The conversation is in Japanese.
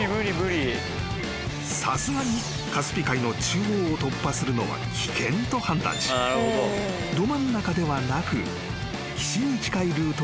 ［さすがにカスピ海の中央を突破するのは危険と判断しど真ん中ではなく岸に近いルートを横断］